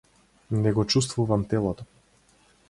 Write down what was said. Не го чуствувам телото.